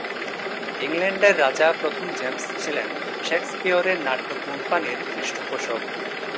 ইংল্যান্ডের রাজা প্রথম জেমস ছিলেন শেকসপিয়রের নাট্য কোম্পানির পৃষ্ঠপোষক।